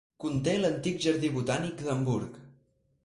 Conté l'antic jardí botànic d'Hamburg.